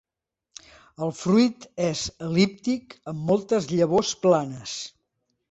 El fruit és el·líptic amb moltes llavors planes.